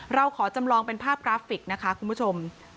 เราขอจำลองเป็นภาพกราฟิกนะคะคุณผู้ชม